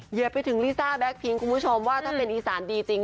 ไปถึงลิซ่าแก๊คพิงคุณผู้ชมว่าถ้าเป็นอีสานดีจริง